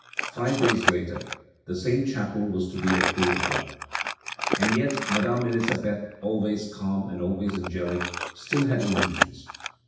Five days later, the same chapel was to be a pool of blood. And yet Madame Elisabeth, always calm and always angelic, still had illusions.